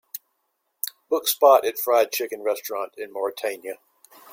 Book spot at Fried chicken restaurant in Mauritania